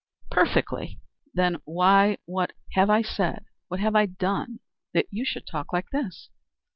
"Perfectly." "Then then . Why, what have I said, what have I done that you should talk like this?"